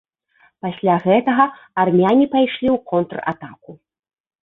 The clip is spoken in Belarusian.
Пасля гэтага армяне пайшлі ў контратаку.